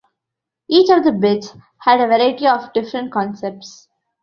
Each of the bids had a variety of different concepts.